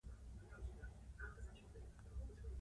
شاته مې راوکتل، په زینو کې ولاړه وه، لاس يې راته وښوراوه.